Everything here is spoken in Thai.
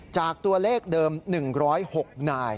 จากตัวเลขเดิม๑๐๖นาย